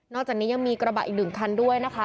จากนี้ยังมีกระบะอีกหนึ่งคันด้วยนะคะ